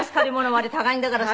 あれ高いんだからさ。